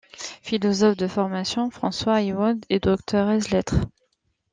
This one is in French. Philosophe de formation, François Ewald est docteur ès lettres.